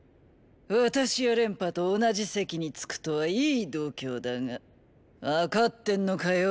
私や廉頗と同じ席に着くとはいい度胸だが分かってんのかよ